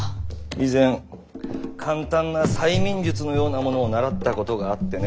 以前簡単な催眠術のようなものを習ったことがあってね